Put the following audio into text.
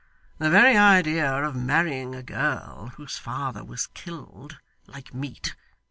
The very idea of marrying a girl whose father was killed, like meat!